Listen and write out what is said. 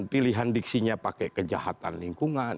pilihan diksinya pakai kejahatan lingkungan